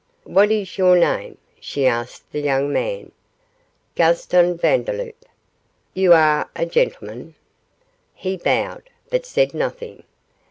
'What is your name?' she asked the young man. 'Gaston Vandeloup.' 'You are a gentleman?' He bowed, but said nothing.